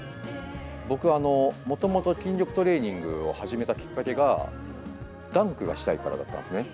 僕もともと筋力トレーニングを始めたきっかけがダンクがしたいからだったんですね。